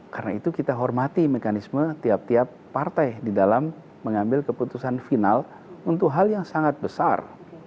karena itu kita hormati mekanisme tiap tiap partai di dalam mengambil keputusan final untuk hal yang sangat besar